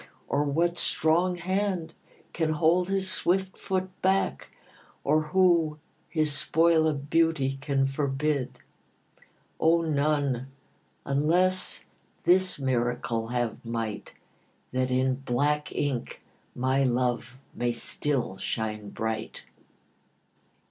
Or what strong hand can hold his swift foot back? Or who his spoil of beauty can forbid? O, none, unless this miracle have might, That in black ink my love may still shine bright.